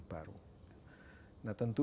baru nah tentu